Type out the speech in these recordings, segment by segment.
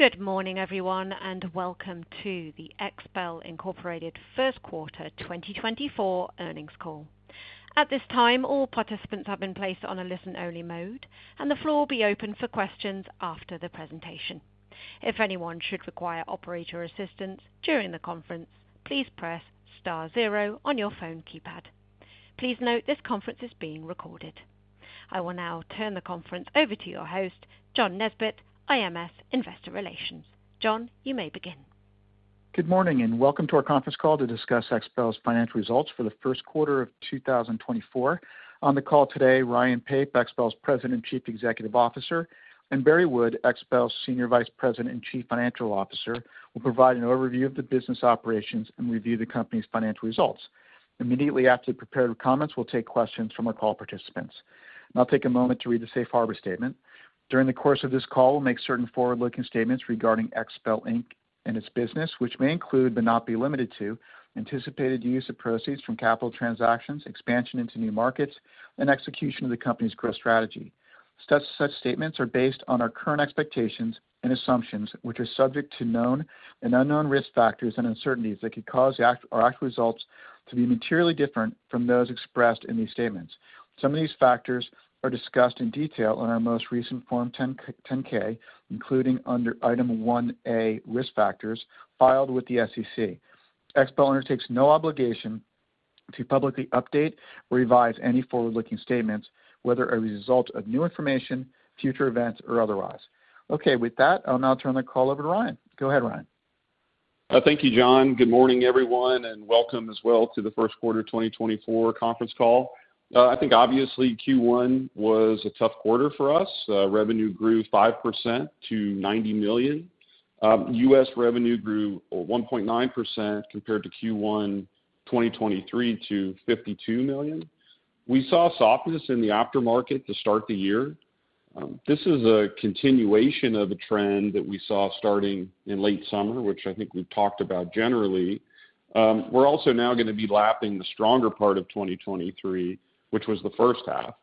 Good morning, everyone, and welcome to the XPEL Incorporated Q1 2024 Earnings Call. At this time, all participants have been placed on a listen-only mode, and the floor will be open for questions after the presentation. If anyone should require operator assistance during the conference, please press star zero on your phone keypad. Please note this conference is being recorded. I will now turn the conference over to your host, John Nesbett, IMS Investor Relations. John, you may begin. Good morning and welcome to our conference call to discuss XPEL's financial results for the Q1 of 2024. On the call today, Ryan Pape, XPEL's President and Chief Executive Officer, and Barry Wood, XPEL's Senior Vice President and Chief Financial Officer, will provide an overview of the business operations and review the company's financial results. Immediately after the prepared comments, we'll take questions from our call participants. I'll take a moment to read the Safe Harbor Statement. During the course of this call, we'll make certain forward-looking statements regarding XPEL Inc. and its business, which may include but not be limited to anticipated use of proceeds from capital transactions, expansion into new markets, and execution of the company's growth strategy. Such statements are based on our current expectations and assumptions, which are subject to known and unknown risk factors and uncertainties that could cause our actual results to be materially different from those expressed in these statements. Some of these factors are discussed in detail in our most recent Form 10-K, including under Item 1A, Risk Factors filed with the SEC. XPEL undertakes no obligation to publicly update or revise any forward-looking statements, whether as a result of new information, future events, or otherwise. Okay, with that, I'll now turn the call over to Ryan. Go ahead, Ryan. Thank you, John. Good morning, everyone, and welcome as well to the Q1 2024 conference call. I think, obviously, Q1 was a tough quarter for us. Revenue grew 5% to $90 million. U.S. revenue grew 1.9% compared to Q1 2023 to $52 million. We saw softness in the aftermarket to start the year. This is a continuation of a trend that we saw starting in late summer, which I think we've talked about generally. We're also now going to be lapping the stronger part of 2023, which was the first half.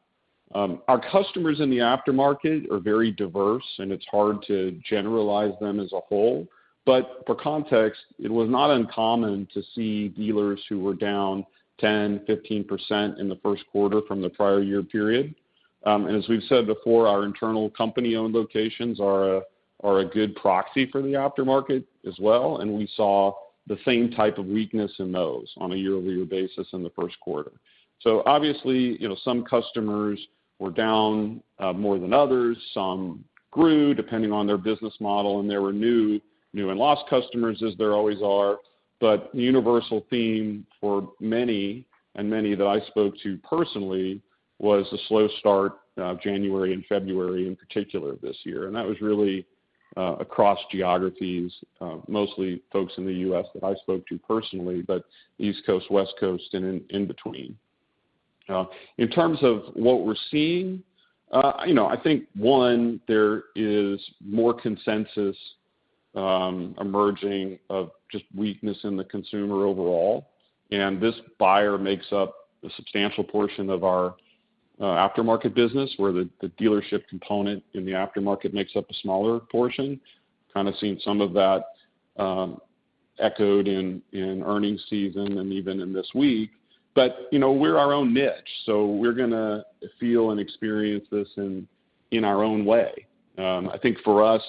Our customers in the aftermarket are very diverse, and it's hard to generalize them as a whole. But for context, it was not uncommon to see dealers who were down 10%-15% in the Q1 from the prior year period. As we've said before, our internal company-owned locations are a good proxy for the aftermarket as well, and we saw the same type of weakness in those on a year-over-year basis in the Q1. Obviously, some customers were down more than others. Some grew, depending on their business model, and there were new and lost customers, as there always are. The universal theme for many and many that I spoke to personally was a slow start of January and February, in particular, this year. That was really across geographies, mostly folks in the U.S. that I spoke to personally, but East Coast, West Coast, and in between. In terms of what we're seeing, I think, one, there is more consensus emerging of just weakness in the consumer overall. This buyer makes up a substantial portion of our aftermarket business, where the dealership component in the aftermarket makes up a smaller portion. Kind of seen some of that echoed in earnings season and even in this week. We're our own niche, so we're going to feel and experience this in our own way. I think for us,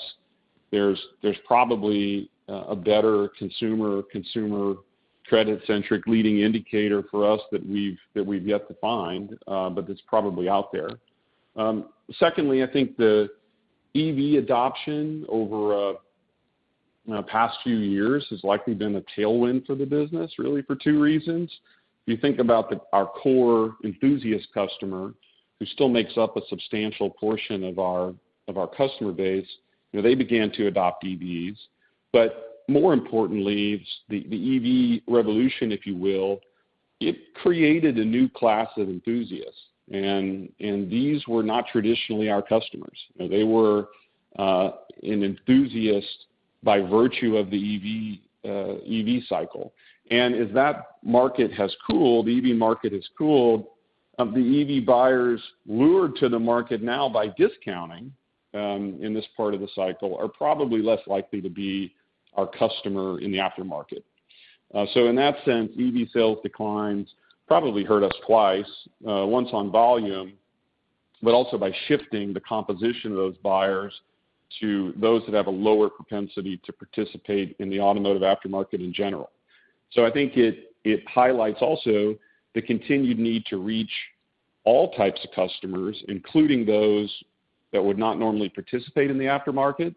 there's probably a better consumer credit-centric leading indicator for us that we've yet to find, but that's probably out there. Secondly, I think the EV adoption over the past few years has likely been a tailwind for the business, really, for two reasons. If you think about our core enthusiast customer, who still makes up a substantial portion of our customer base, they began to adopt EVs. More importantly, the EV revolution, if you will, it created a new class of enthusiasts. These were not traditionally our customers. They were an enthusiast by virtue of the EV cycle. And as that market has cooled, the EV market has cooled, the EV buyers lured to the market now by discounting in this part of the cycle are probably less likely to be our customer in the aftermarket. So in that sense, EV sales declines probably hurt us twice, once on volume, but also by shifting the composition of those buyers to those that have a lower propensity to participate in the automotive aftermarket in general. So I think it highlights also the continued need to reach all types of customers, including those that would not normally participate in the aftermarket.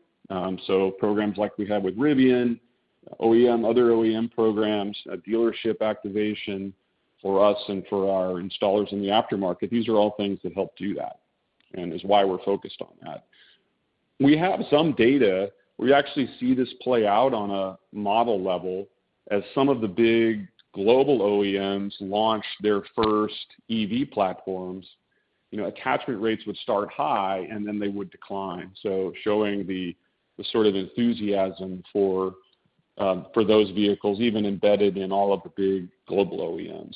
So programs like we have with Rivian, other OEM programs, dealership activation for us and for our installers in the aftermarket, these are all things that help do that and is why we're focused on that. We have some data. We actually see this play out on a model level as some of the big global OEMs launch their first EV platforms. Attachment rates would start high, and then they would decline, so showing the sort of enthusiasm for those vehicles, even embedded in all of the big global OEMs.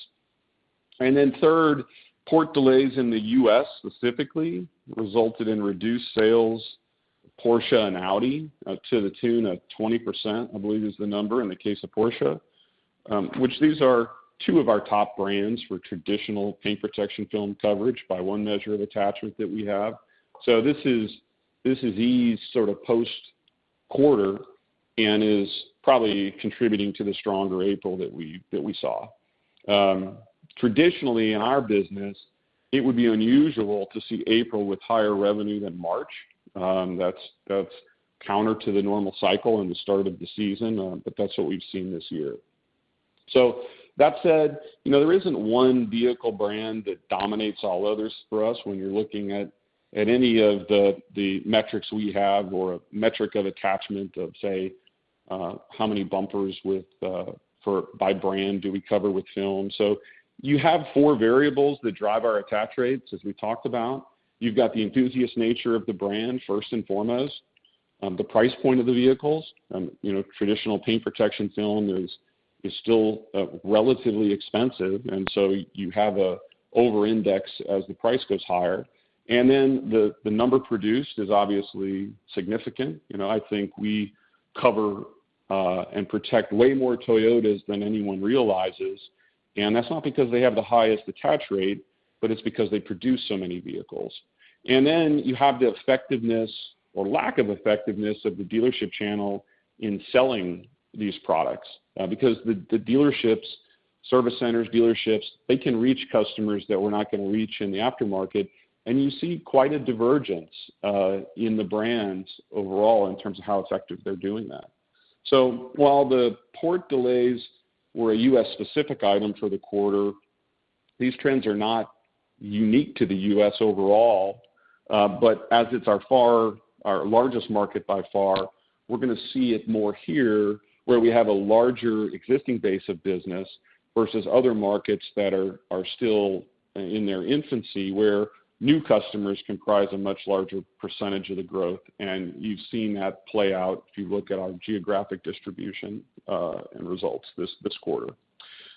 And then third, port delays in the U.S. specifically resulted in reduced sales, Porsche and Audi, to the tune of 20%, I believe is the number in the case of Porsche, which these are two of our top brands for traditional paint protection film coverage by one measure of attachment that we have. So this is these sort of post-quarter and is probably contributing to the stronger April that we saw. Traditionally, in our business, it would be unusual to see April with higher revenue than March. That's counter to the normal cycle and the start of the season, but that's what we've seen this year. That said, there isn't one vehicle brand that dominates all others for us when you're looking at any of the metrics we have or a metric of attachment of, say, how many bumpers by brand do we cover with film. You have four variables that drive our attach rates, as we talked about. You've got the enthusiast nature of the brand, first and foremost, the price point of the vehicles. Traditional paint protection film is still relatively expensive, and so you have an over-index as the price goes higher. Then the number produced is obviously significant. I think we cover and protect way more Toyotas than anyone realizes. That's not because they have the highest attach rate, but it's because they produce so many vehicles. And then you have the effectiveness or lack of effectiveness of the dealership channel in selling these products because the dealerships, service centers, dealerships, they can reach customers that we're not going to reach in the aftermarket. And you see quite a divergence in the brands overall in terms of how effective they're doing that. So while the port delays were a U.S.-specific item for the quarter, these trends are not unique to the U.S. overall. But as it's our largest market by far, we're going to see it more here where we have a larger existing base of business versus other markets that are still in their infancy, where new customers comprise a much larger percentage of the growth. And you've seen that play out if you look at our geographic distribution and results this quarter.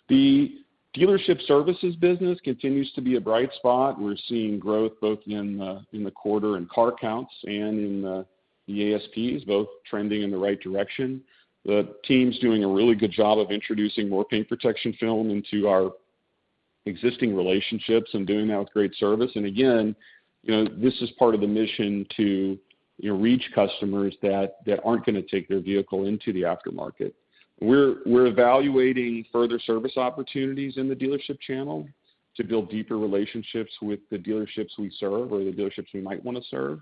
The dealership services business continues to be a bright spot. We're seeing growth both in the quarter in car counts and in the ASPs, both trending in the right direction. The team's doing a really good job of introducing more paint protection film into our existing relationships and doing that with great service. And again, this is part of the mission to reach customers that aren't going to take their vehicle into the aftermarket. We're evaluating further service opportunities in the dealership channel to build deeper relationships with the dealerships we serve or the dealerships we might want to serve.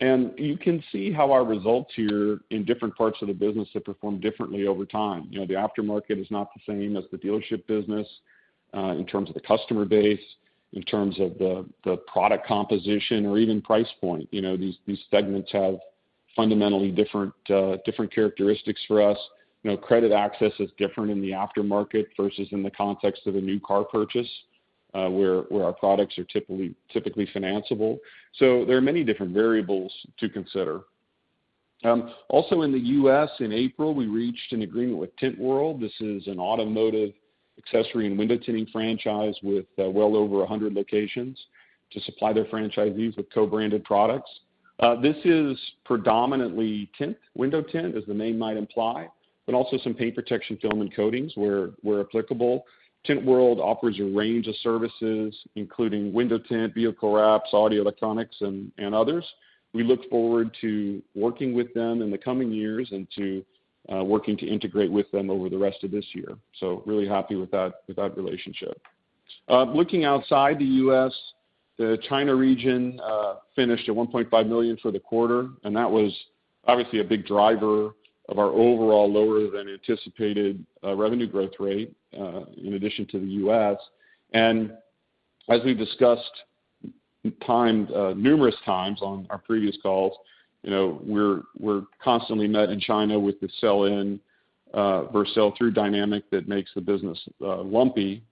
And you can see how our results here in different parts of the business have performed differently over time. The aftermarket is not the same as the dealership business in terms of the customer base, in terms of the product composition, or even price point. These segments have fundamentally different characteristics for us. Credit access is different in the aftermarket versus in the context of a new car purchase, where our products are typically financiable. There are many different variables to consider. Also, in the U.S., in April, we reached an agreement with Tint World. This is an automotive accessory and window tinting franchise with well over 100 locations to supply their franchisees with co-branded products. This is predominantly tint, window tint, as the name might imply, but also some paint protection film and coatings where applicable. Tint World offers a range of services, including window tint, vehicle wraps, audio electronics, and others. We look forward to working with them in the coming years and to working to integrate with them over the rest of this year. Really happy with that relationship. Looking outside the U.S., the China region finished at $1.5 million for the quarter, and that was obviously a big driver of our overall lower-than-anticipated revenue growth rate in addition to the U.S. As we've discussed numerous times on our previous calls, we're constantly met in China with the sell-in versus sell-through dynamic that makes the business lumpy.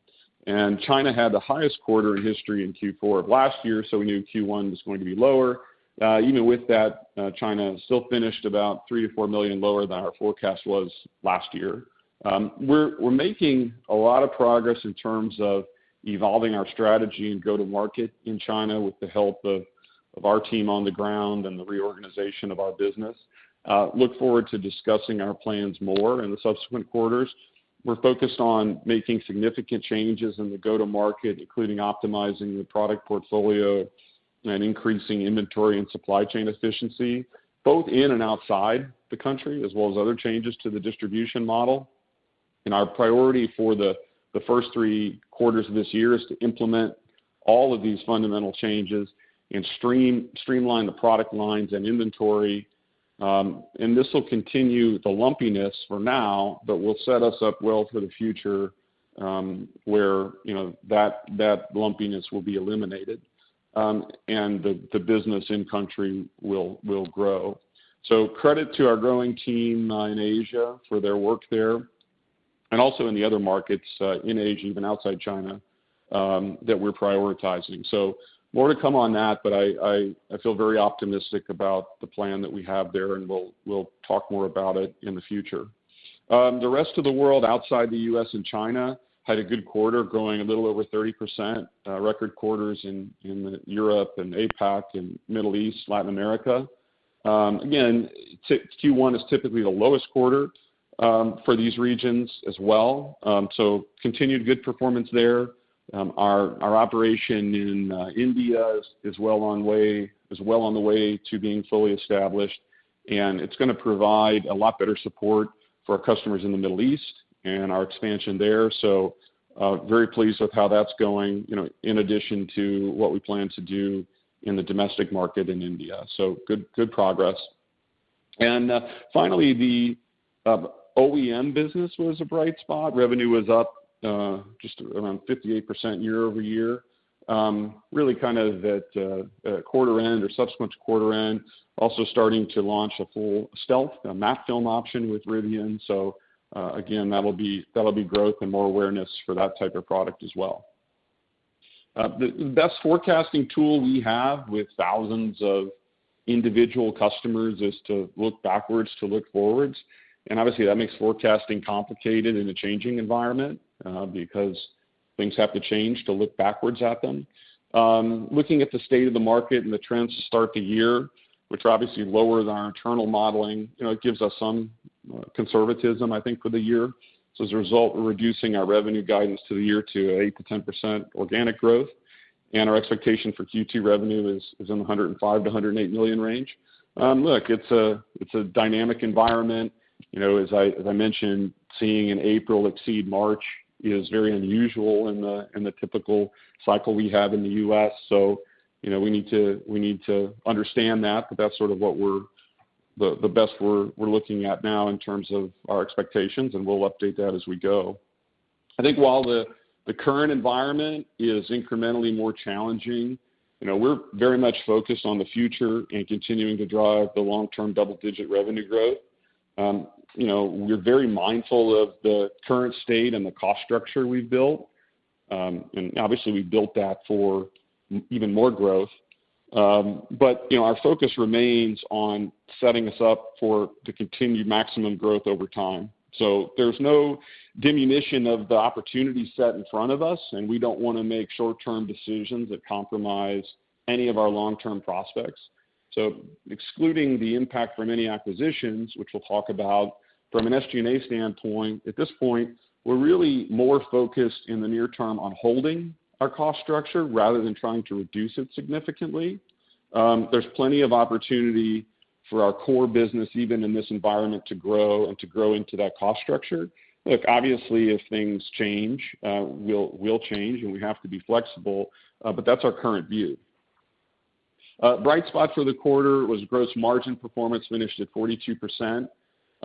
China had the highest quarter in history in Q4 of last year, so we knew Q1 was going to be lower. Even with that, China still finished about $3-$4 million lower than our forecast was last year. We're making a lot of progress in terms of evolving our strategy and go-to-market in China with the help of our team on the ground and the reorganization of our business. Look forward to discussing our plans more in the subsequent quarters. We're focused on making significant changes in the go-to-market, including optimizing the product portfolio and increasing inventory and supply chain efficiency, both in and outside the country, as well as other changes to the distribution model. Our priority for the first three quarters of this year is to implement all of these fundamental changes and streamline the product lines and inventory. This will continue the lumpiness for now, but will set us up well for the future where that lumpiness will be eliminated and the business in-country will grow. Credit to our growing team in Asia for their work there and also in the other markets in Asia, even outside China, that we're prioritizing. More to come on that, but I feel very optimistic about the plan that we have there, and we'll talk more about it in the future. The rest of the world outside the U.S. and China had a good quarter growing a little over 30%, record quarters in Europe and APAC and Middle East, Latin America. Again, Q1 is typically the lowest quarter for these regions as well. So continued good performance there. Our operation in India is well on the way to being fully established, and it's going to provide a lot better support for our customers in the Middle East and our expansion there. So very pleased with how that's going in addition to what we plan to do in the domestic market in India. So good progress. And finally, the OEM business was a bright spot. Revenue was up just around 58% year-over-year, really kind of at quarter end or subsequent to quarter end, also starting to launch a full stealth, a matte film option with Rivian. So again, that'll be growth and more awareness for that type of product as well. The best forecasting tool we have with thousands of individual customers is to look backwards to look forwards. And obviously, that makes forecasting complicated in a changing environment because things have to change to look backwards at them. Looking at the state of the market and the trends to start the year, which obviously lowers our internal modeling, it gives us some conservatism, I think, for the year. So as a result, we're reducing our revenue guidance to the year to 8%-10% organic growth. And our expectation for Q2 revenue is in the $105 million-$108 million range. Look, it's a dynamic environment. As I mentioned, seeing in April exceed March is very unusual in the typical cycle we have in the U.S. So we need to understand that, but that's sort of the best we're looking at now in terms of our expectations, and we'll update that as we go. I think while the current environment is incrementally more challenging, we're very much focused on the future and continuing to drive the long-term double-digit revenue growth. We're very mindful of the current state and the cost structure we've built. And obviously, we've built that for even more growth. But our focus remains on setting us up for the continued maximum growth over time. So there's no diminution of the opportunity set in front of us, and we don't want to make short-term decisions that compromise any of our long-term prospects. Excluding the impact from any acquisitions, which we'll talk about from an SG&A standpoint, at this point, we're really more focused in the near term on holding our cost structure rather than trying to reduce it significantly. There's plenty of opportunity for our core business, even in this environment, to grow and to grow into that cost structure. Look, obviously, if things change, we'll change, and we have to be flexible. But that's our current view. Bright spot for the quarter was gross margin performance finished at 42%,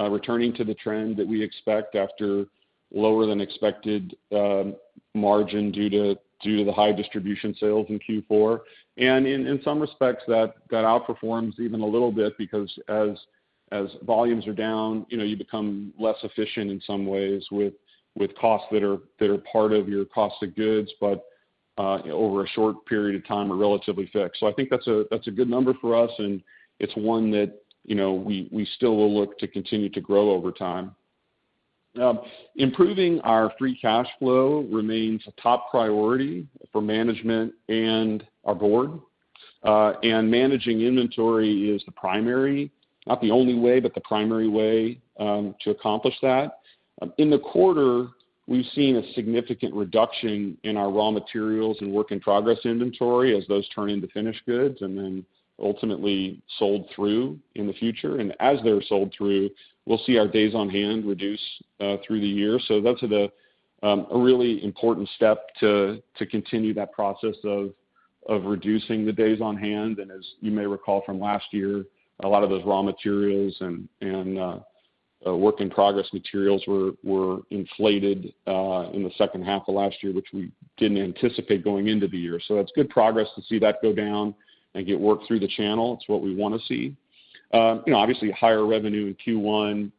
returning to the trend that we expect after lower-than-expected margin due to the high distribution sales in Q4. In some respects, that outperforms even a little bit because as volumes are down, you become less efficient in some ways with costs that are part of your cost of goods, but over a short period of time are relatively fixed. I think that's a good number for us, and it's one that we still will look to continue to grow over time. Improving our free cash flow remains a top priority for management and our board. Managing inventory is the primary, not the only way, but the primary way to accomplish that. In the quarter, we've seen a significant reduction in our raw materials and work-in-progress inventory as those turn into finished goods and then ultimately sold through in the future. As they're sold through, we'll see our days on hand reduce through the year. That's a really important step to continue that process of reducing the days on hand. As you may recall from last year, a lot of those raw materials and work-in-progress materials were inflated in the second half of last year, which we didn't anticipate going into the year. That's good progress to see that go down and get worked through the channel. It's what we want to see. Obviously, higher revenue in Q1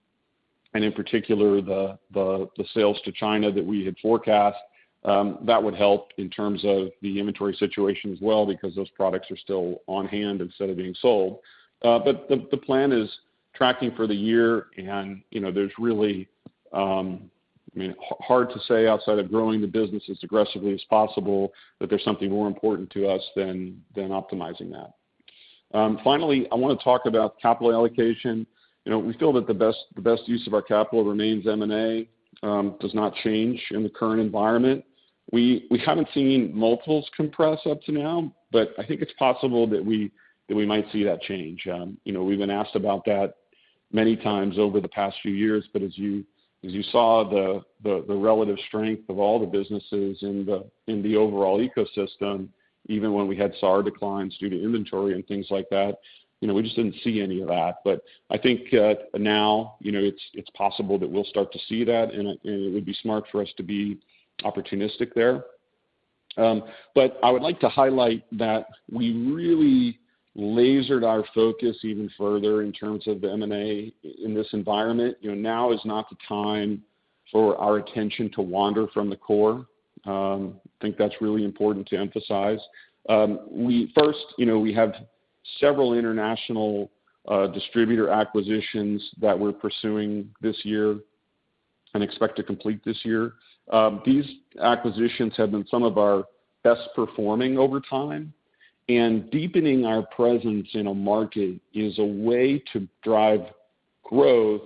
and in particular the sales to China that we had forecast, that would help in terms of the inventory situation as well because those products are still on hand instead of being sold. The plan is tracking for the year, and there's really, I mean, hard to say outside of growing the business as aggressively as possible that there's something more important to us than optimizing that. Finally, I want to talk about capital allocation. We feel that the best use of our capital remains M&A, does not change in the current environment. We haven't seen multiples compress up to now, but I think it's possible that we might see that change. We've been asked about that many times over the past few years. But as you saw, the relative strength of all the businesses in the overall ecosystem, even when we had SAR declines due to inventory and things like that, we just didn't see any of that. But I think now it's possible that we'll start to see that, and it would be smart for us to be opportunistic there. But I would like to highlight that we really lasered our focus even further in terms of the M&A in this environment. Now is not the time for our attention to wander from the core. I think that's really important to emphasize. First, we have several international distributor acquisitions that we're pursuing this year and expect to complete this year. These acquisitions have been some of our best performing over time. Deepening our presence in a market is a way to drive growth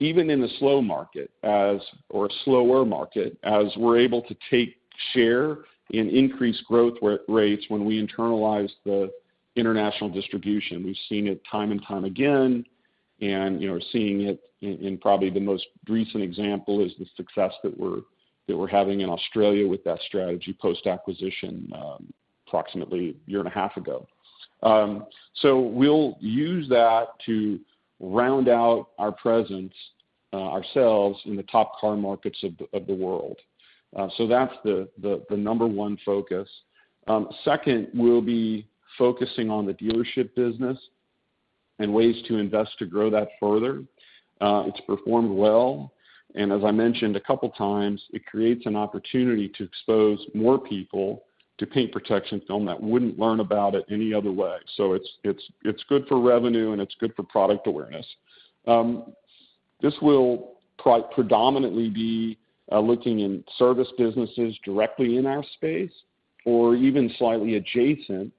even in a slow market or a slower market as we're able to take share in increased growth rates when we internalize the international distribution. We've seen it time and time again. Seeing it in probably the most recent example is the success that we're having in Australia with that strategy post-acquisition approximately a year and a half ago. We'll use that to round out our presence ourselves in the top car markets of the world. That's the number one focus. Second, we'll be focusing on the dealership business and ways to invest to grow that further. It's performed well. As I mentioned a couple of times, it creates an opportunity to expose more people to paint protection film that wouldn't learn about it any other way. So it's good for revenue, and it's good for product awareness. This will predominantly be looking in service businesses directly in our space or even slightly adjacent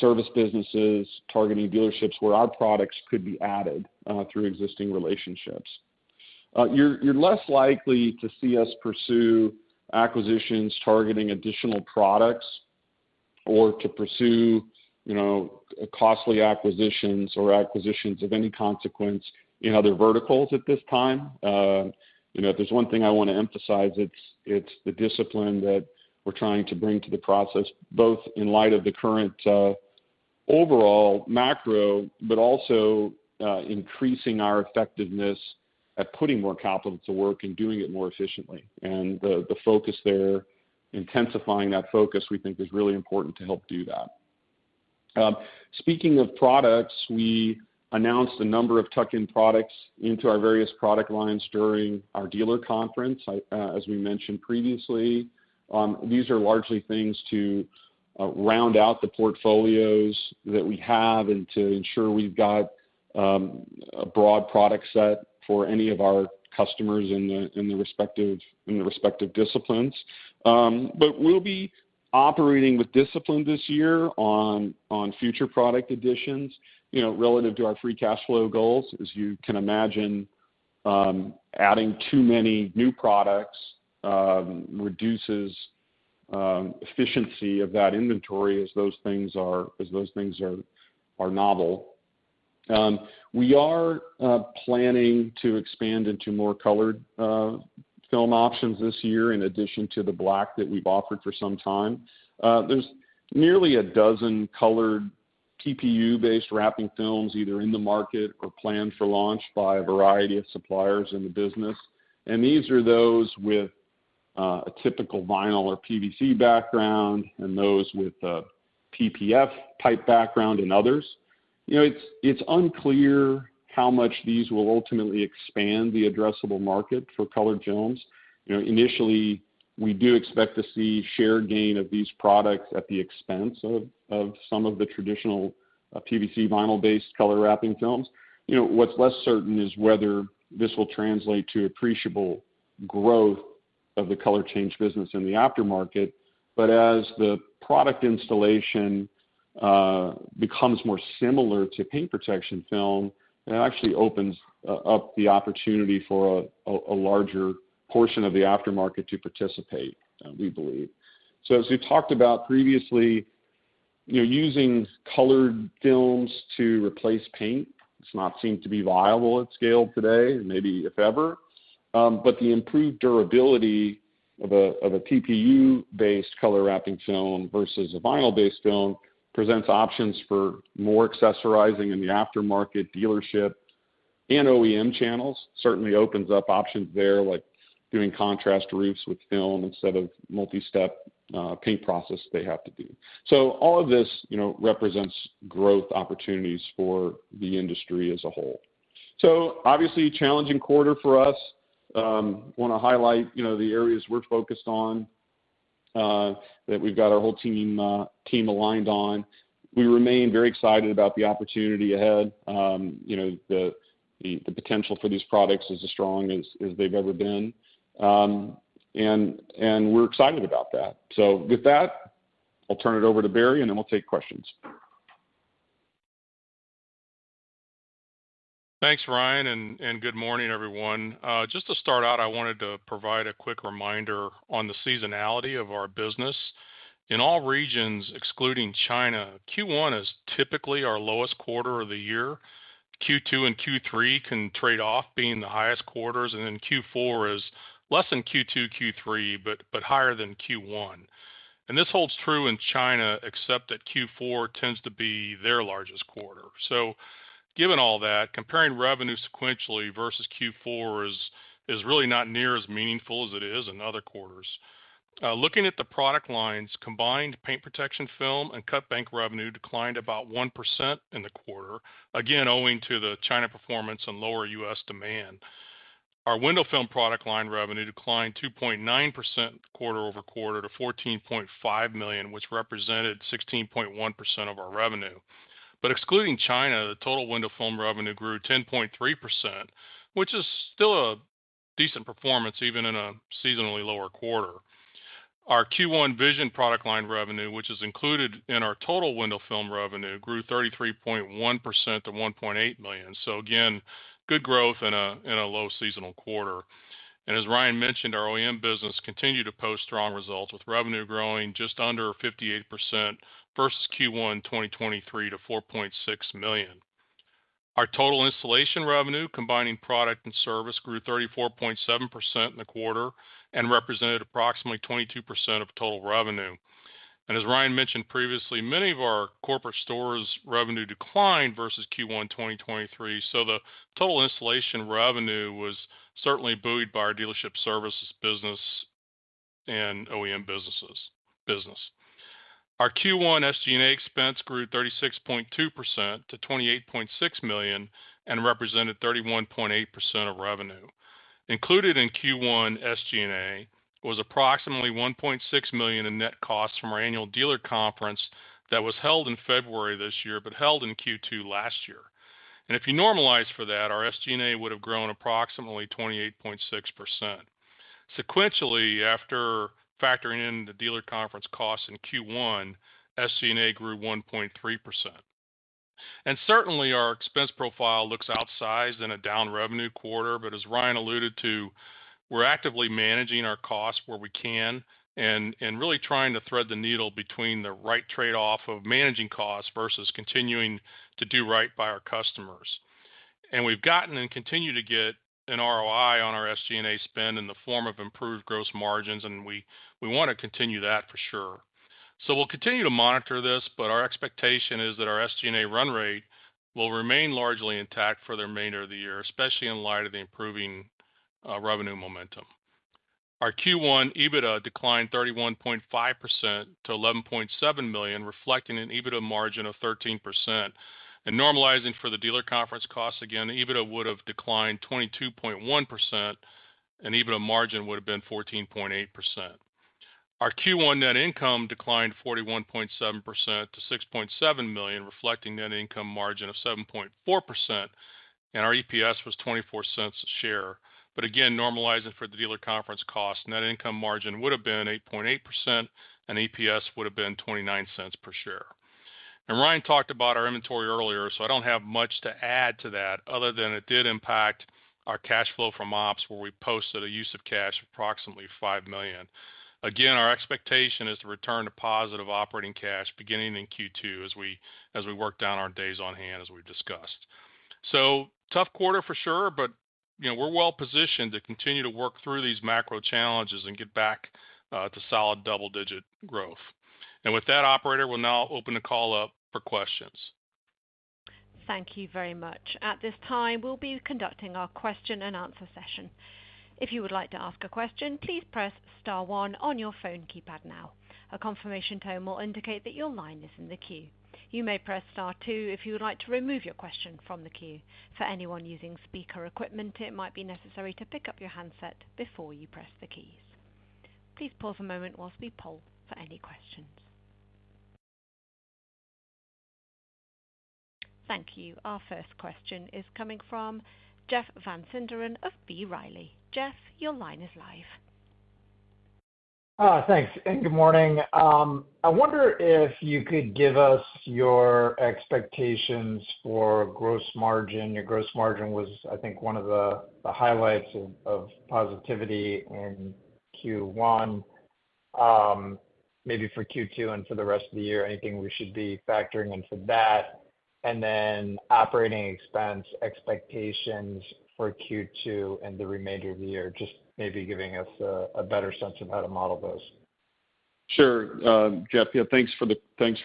service businesses targeting dealerships where our products could be added through existing relationships. You're less likely to see us pursue acquisitions targeting additional products or to pursue costly acquisitions or acquisitions of any consequence in other verticals at this time. If there's one thing I want to emphasize, it's the discipline that we're trying to bring to the process, both in light of the current overall macro, but also increasing our effectiveness at putting more capital to work and doing it more efficiently. And the focus there, intensifying that focus, we think is really important to help do that. Speaking of products, we announced a number of tuck-in products into our various product lines during our dealer conference, as we mentioned previously. These are largely things to round out the portfolios that we have and to ensure we've got a broad product set for any of our customers in the respective disciplines. But we'll be operating with discipline this year on future product additions relative to our free cash flow goals. As you can imagine, adding too many new products reduces efficiency of that inventory as those things are novel. We are planning to expand into more colored film options this year in addition to the black that we've offered for some time. There's nearly a dozen colored TPU-based wrapping films either in the market or planned for launch by a variety of suppliers in the business. And these are those with a typical vinyl or PVC background and those with a PPF-type background and others. It's unclear how much these will ultimately expand the addressable market for colored films. Initially, we do expect to see shared gain of these products at the expense of some of the traditional PVC vinyl-based color wrapping films. What's less certain is whether this will translate to appreciable growth of the color change business in the aftermarket. But as the product installation becomes more similar to paint protection film, it actually opens up the opportunity for a larger portion of the aftermarket to participate, we believe. So as we've talked about previously, using colored films to replace paint does not seem to be viable at scale today, maybe if ever. But the improved durability of a TPU-based color wrapping film versus a vinyl-based film presents options for more accessorizing in the aftermarket dealership and OEM channels. Certainly opens up options there like doing contrast roofs with film instead of multi-step paint process they have to do. So all of this represents growth opportunities for the industry as a whole. So obviously, challenging quarter for us. I want to highlight the areas we're focused on that we've got our whole team aligned on. We remain very excited about the opportunity ahead. The potential for these products is as strong as they've ever been. And we're excited about that. So with that, I'll turn it over to Barry, and then we'll take questions. Thanks, Ryan, and good morning, everyone. Just to start out, I wanted to provide a quick reminder on the seasonality of our business. In all regions, excluding China, Q1 is typically our lowest quarter of the year. Q2 and Q3 can trade off being the highest quarters, and then Q4 is less than Q2, Q3, but higher than Q1. This holds true in China, except that Q4 tends to be their largest quarter. Given all that, comparing revenue sequentially versus Q4 is really not near as meaningful as it is in other quarters. Looking at the product lines, combined paint protection film and Cutbank revenue declined about 1% in the quarter, again owing to the China performance and lower U.S. demand. Our window film product line revenue declined 2.9% quarter-over-quarter to $14.5 million, which represented 16.1% of our revenue. Excluding China, the total window film revenue grew 10.3%, which is still a decent performance even in a seasonally lower quarter. Our Q1 vision product line revenue, which is included in our total window film revenue, grew 33.1% to $1.8 million. Again, good growth in a low seasonal quarter. As Ryan mentioned, our OEM business continued to post strong results with revenue growing just under 58% versus Q1 2023 to $4.6 million. Our total installation revenue, combining product and service, grew 34.7% in the quarter and represented approximately 22% of total revenue. As Ryan mentioned previously, many of our corporate stores' revenue declined versus Q1 2023. The total installation revenue was certainly buoyed by our dealership services business and OEM business. Our Q1 SG&A expense grew 36.2% to $28.6 million and represented 31.8% of revenue. Included in Q1 SG&A was approximately $1.6 million in net costs from our annual dealer conference that was held in February this year but held in Q2 last year. And if you normalize for that, our SG&A would have grown approximately 28.6%. Sequentially, after factoring in the dealer conference costs in Q1, SG&A grew 1.3%. And certainly, our expense profile looks outsized in a down revenue quarter. But as Ryan alluded to, we're actively managing our costs where we can and really trying to thread the needle between the right trade-off of managing costs versus continuing to do right by our customers. And we've gotten and continue to get an ROI on our SG&A spend in the form of improved gross margins, and we want to continue that for sure. So we'll continue to monitor this, but our expectation is that our SG&A run rate will remain largely intact for the remainder of the year, especially in light of the improving revenue momentum. Our Q1 EBITDA declined 31.5% to $11.7 million, reflecting an EBITDA margin of 13%. Normalizing for the dealer conference costs, again, EBITDA would have declined 22.1%, and EBITDA margin would have been 14.8%. Our Q1 net income declined 41.7% to $6.7 million, reflecting net income margin of 7.4%. Our EPS was $0.24 per share. But again, normalizing for the dealer conference costs, net income margin would have been 8.8%, and EPS would have been $0.29 per share. Ryan talked about our inventory earlier, so I don't have much to add to that other than it did impact our cash flow from ops, where we posted a use of cash of approximately $5 million. Again, our expectation is to return to positive operating cash beginning in Q2 as we work down our days on hand, as we've discussed. So tough quarter for sure, but we're well positioned to continue to work through these macro challenges and get back to solid double-digit growth. And with that, operator, we'll now open the call up for questions. Thank you very much. At this time, we'll be conducting our question and answer session. If you would like to ask a question, please press star one on your phone keypad now. A confirmation tone will indicate that your line is in the queue. You may press star two if you would like to remove your question from the queue. For anyone using speaker equipment, it might be necessary to pick up your handset before you press the keys. Please pause a moment whilst we poll for any questions. Thank you. Our first question is coming from Jeff Van Sinderen of B. Riley. Jeff, your line is live. Thanks. Good morning. I wonder if you could give us your expectations for gross margin? Your gross margin was, I think, one of the highlights of positivity in Q1. Maybe for Q2 and for the rest of the year, anything we should be factoring into that? Then operating expense expectations for Q2 and the remainder of the year, just maybe giving us a better sense of how to model those? Sure, Jeff. Yeah, thanks for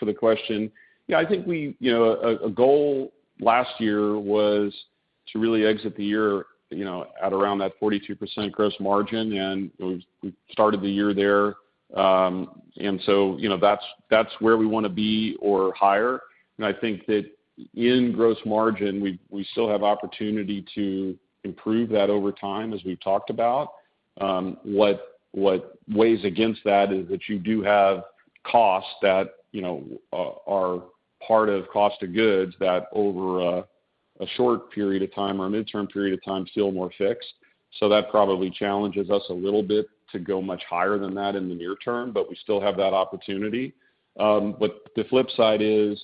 the question. Yeah, I think a goal last year was to really exit the year at around that 42% gross margin, and we started the year there. So that's where we want to be or higher. And I think that in gross margin, we still have opportunity to improve that over time as we've talked about. What weighs against that is that you do have costs that are part of cost of goods that over a short period of time or a midterm period of time feel more fixed. So that probably challenges us a little bit to go much higher than that in the near term, but we still have that opportunity. But the flip side is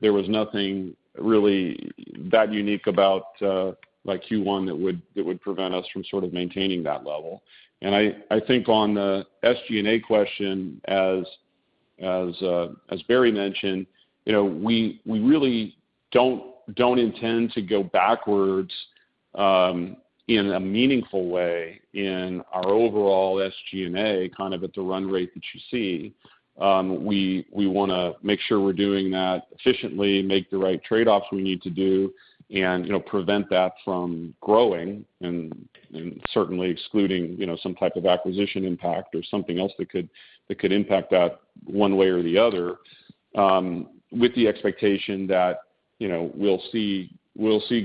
there was nothing really that unique about Q1 that would prevent us from sort of maintaining that level. I think on the SG&A question, as Barry mentioned, we really don't intend to go backwards in a meaningful way in our overall SG&A kind of at the run rate that you see. We want to make sure we're doing that efficiently, make the right trade-offs we need to do, and prevent that from growing and certainly excluding some type of acquisition impact or something else that could impact that one way or the other with the expectation that we'll see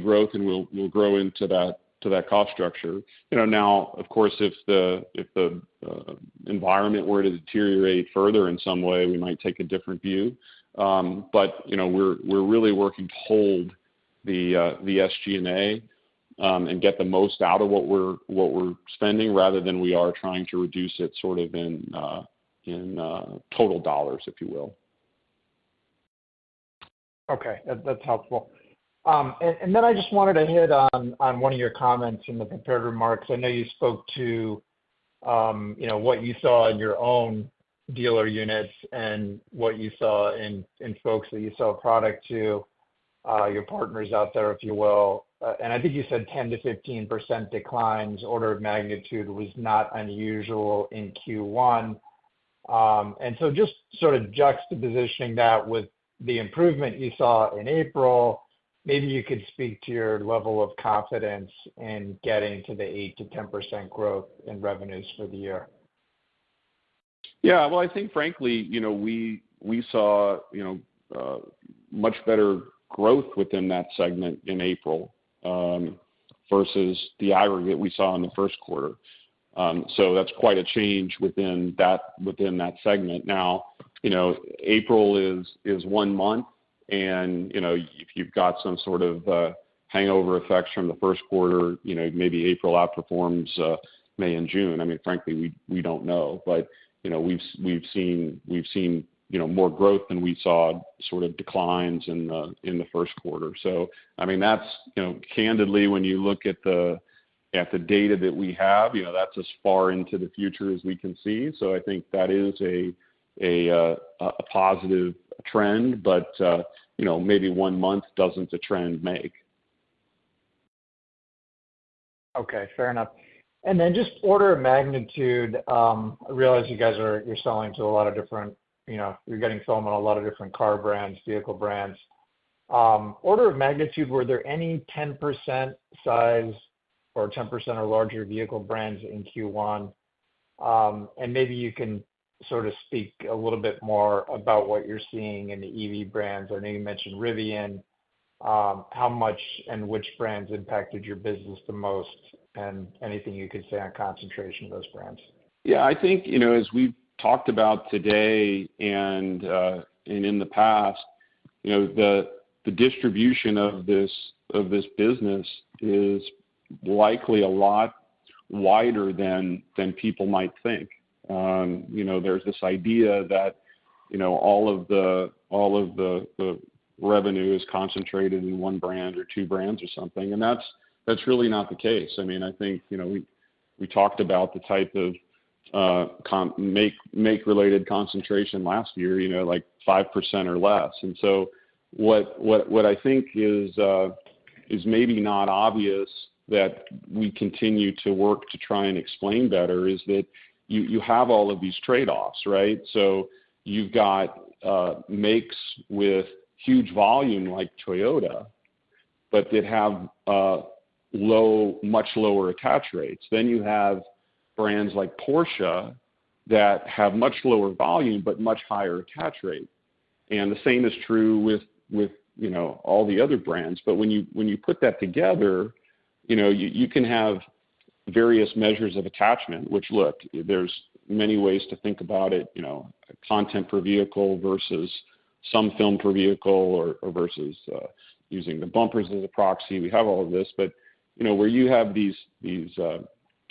growth and we'll grow into that cost structure. Now, of course, if the environment were to deteriorate further in some way, we might take a different view. But we're really working to hold the SG&A and get the most out of what we're spending rather than we are trying to reduce it sort of in total dollars, if you will. Okay. That's helpful. Then I just wanted to hit on one of your comments in the comparative remarks. I know you spoke to what you saw in your own dealer units and what you saw in folks that you sell product to, your partners out there, if you will. And I think you said 10%-15% declines, order of magnitude was not unusual in Q1. So just sort of juxtaposing that with the improvement you saw in April, maybe you could speak to your level of confidence in getting to the 8%-10% growth in revenues for the year. Yeah. Well, I think, frankly, we saw much better growth within that segment in April versus the aggregate we saw in the Q1. So that's quite a change within that segment. Now, April is one month, and if you've got some sort of hangover effects from the Q1, maybe April outperforms May and June. I mean, frankly, we don't know. But we've seen more growth than we saw sort of declines in the Q1. So I mean, candidly, when you look at the data that we have, that's as far into the future as we can see. So I think that is a positive trend, but maybe one month doesn't the trend make. Okay. Fair enough. And then just order of magnitude, I realize you guys are selling to a lot of different you're getting film on a lot of different car brands, vehicle brands. Order of magnitude, were there any 10% size or 10% or larger vehicle brands in Q1? And maybe you can sort of speak a little bit more about what you're seeing in the EV brands. I know you mentioned Rivian. How much and which brands impacted your business the most? And anything you could say on concentration of those brands? Yeah. I think as we've talked about today and in the past, the distribution of this business is likely a lot wider than people might think. There's this idea that all of the revenue is concentrated in one brand or two brands or something. That's really not the case. I mean, I think we talked about the type of make-related concentration last year, like 5% or less. So what I think is maybe not obvious that we continue to work to try and explain better is that you have all of these trade-offs, right? You've got makes with huge volume like Toyota, but they have much lower attach rates. You have brands like Porsche that have much lower volume but much higher attach rate. The same is true with all the other brands. But when you put that together, you can have various measures of attachment, which, look, there's many ways to think about it, content per vehicle versus some film per vehicle or versus using the bumpers as a proxy. We have all of this. But where you have these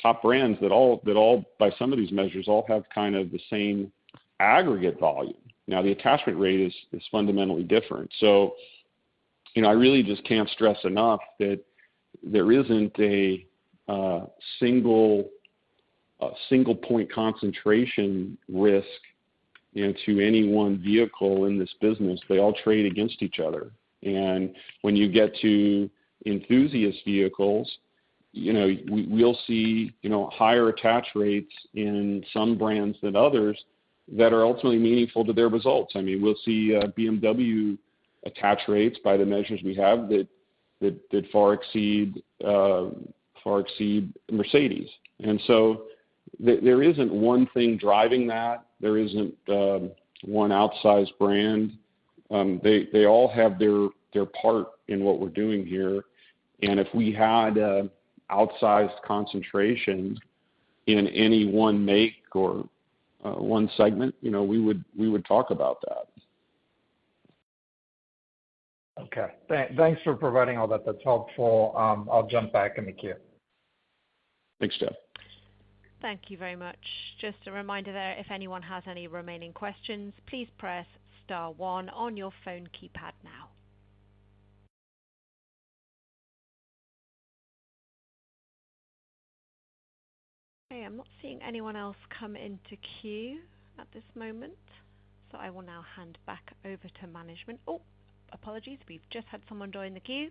top brands that all, by some of these measures, all have kind of the same aggregate volume. Now, the attachment rate is fundamentally different. So I really just can't stress enough that there isn't a single point concentration risk to any one vehicle in this business. They all trade against each other. And when you get to enthusiast vehicles, we'll see higher attach rates in some brands than others that are ultimately meaningful to their results. I mean, we'll see BMW attach rates by the measures we have that far exceed Mercedes. And so there isn't one thing driving that. There isn't one outsized brand. They all have their part in what we're doing here. If we had an outsized concentration in any one make or one segment, we would talk about that. Okay. Thanks for providing all that. That's helpful. I'll jump back in the queue. Thanks, Jeff. Thank you very much. Just a reminder there, if anyone has any remaining questions, please press star one on your phone keypad now. Okay. I'm not seeing anyone else come into queue at this moment. So I will now hand back over to management. Oh, apologies. We've just had someone join the queue,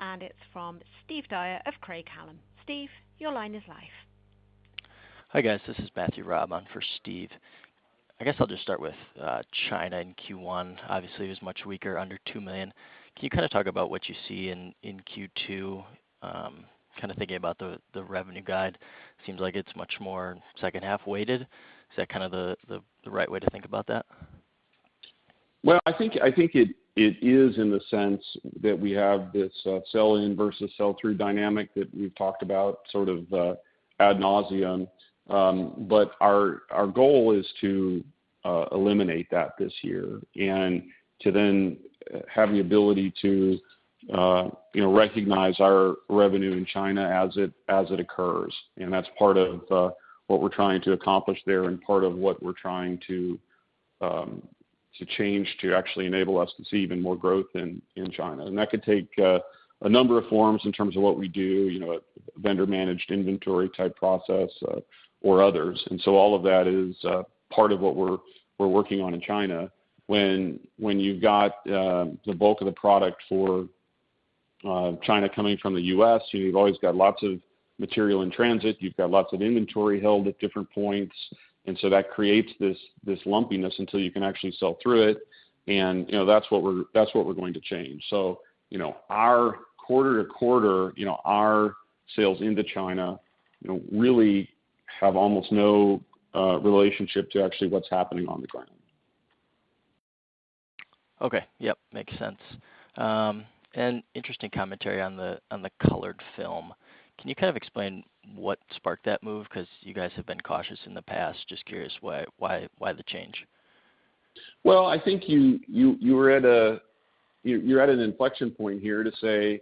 and it's from Steve Dyer of Craig-Hallum. Steve, your line is live. Hi, guys. This is Matthew Raab for Steve. I guess I'll just start with China in Q1. Obviously, it was much weaker, under $2 million. Can you kind of talk about what you see in Q2? Kind of thinking about the revenue guide, seems like it's much more second-half weighted. Is that kind of the right way to think about that? Well, I think it is in the sense that we have this sell-in versus sell-through dynamic that we've talked about sort of ad nauseam. Our goal is to eliminate that this year and to then have the ability to recognize our revenue in China as it occurs. That's part of what we're trying to accomplish there and part of what we're trying to change to actually enable us to see even more growth in China. That could take a number of forms in terms of what we do, a vendor-managed inventory type process, or others. So all of that is part of what we're working on in China. When you've got the bulk of the product for China coming from the U.S., you've always got lots of material in transit. You've got lots of inventory held at different points. And so that creates this lumpiness until you can actually sell through it. And that's what we're going to change. So our quarter-to-quarter, our sales into China really have almost no relationship to actually what's happening on the ground. Okay. Yep. Makes sense. Interesting commentary on the colored film. Can you kind of explain what sparked that move? Because you guys have been cautious in the past. Just curious why the change. Well, I think you're at an inflection point here to say,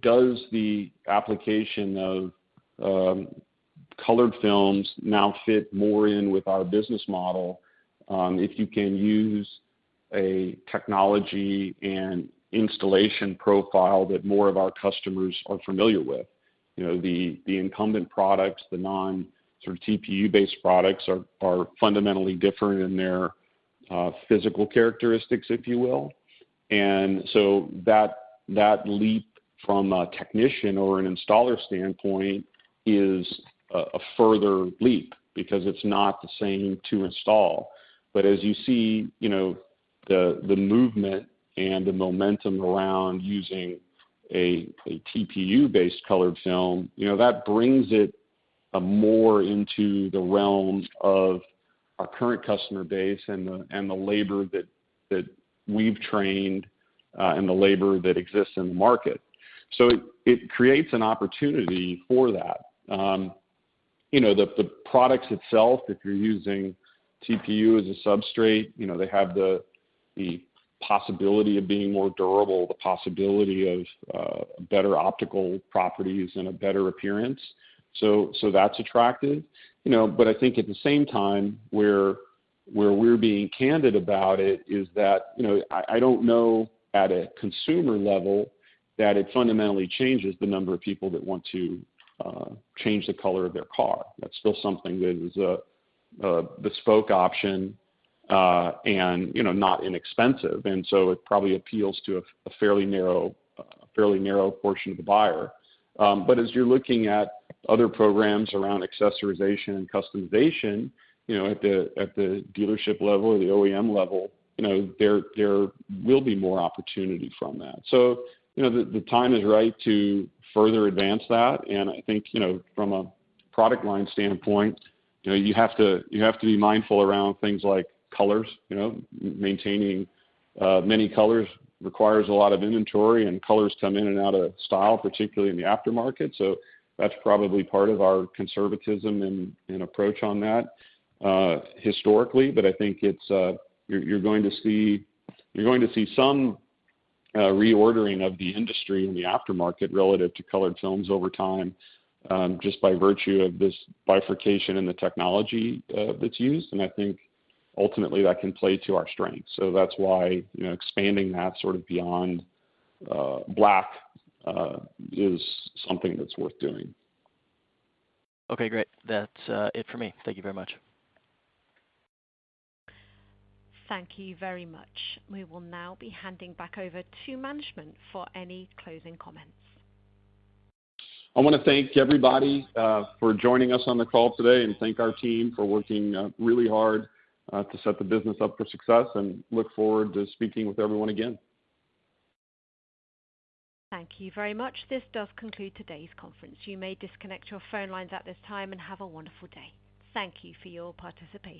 does the application of colored films now fit more in with our business model if you can use a technology and installation profile that more of our customers are familiar with? The incumbent products, the non-sort of TPU-based products are fundamentally different in their physical characteristics, if you will. And so that leap from a technician or an installer standpoint is a further leap because it's not the same to install. But as you see the movement and the momentum around using a TPU-based colored film, that brings it more into the realm of our current customer base and the labor that we've trained and the labor that exists in the market. So it creates an opportunity for that. The products itself, if you're using TPU as a substrate, they have the possibility of being more durable, the possibility of better optical properties and a better appearance. So that's attractive. But I think at the same time, where we're being candid about it is that I don't know at a consumer level that it fundamentally changes the number of people that want to change the color of their car. That's still something that is a bespoke option and not inexpensive. And so it probably appeals to a fairly narrow portion of the buyer. But as you're looking at other programs around accessorization and customization at the dealership level or the OEM level, there will be more opportunity from that. So the time is right to further advance that. And I think from a product line standpoint, you have to be mindful around things like colors. Maintaining many colors requires a lot of inventory, and colors come in and out of style, particularly in the aftermarket. So that's probably part of our conservatism and approach on that historically. But I think you're going to see some reordering of the industry in the aftermarket relative to colored films over time just by virtue of this bifurcation in the technology that's used. And I think ultimately, that can play to our strength. So that's why expanding that sort of beyond black is something that's worth doing. Okay. Great. That's it for me. Thank you very much. Thank you very much. We will now be handing back over to management for any closing comments. I want to thank everybody for joining us on the call today and thank our team for working really hard to set the business up for success. Look forward to speaking with everyone again. Thank you very much. This does conclude today's conference. You may disconnect your phone lines at this time and have a wonderful day. Thank you for your participation.